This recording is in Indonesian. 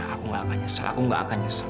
aku gak akan nyesel aku gak akan nyesel